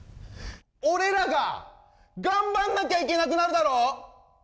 俺らが頑張らなきゃいけなくなるだろ！